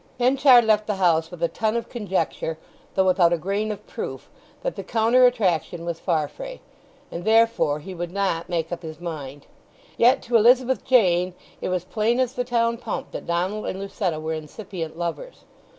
Henchard left the house with a ton of conjecture, though without a grain of proof, that the counterattraction was Farfrae; and therefore he would not make up his mind. Yet to Elizabeth Jane it was plain as the town pump that Donald and Lucetta were incipient lovers.